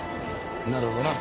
なるほどな。